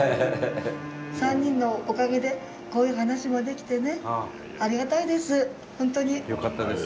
３人のおかげでこういう話もできてねありがたいです